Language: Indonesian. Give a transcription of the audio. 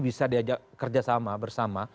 bisa kerjasama bersama